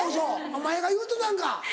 お前が言うてたんか？